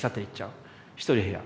一人部屋。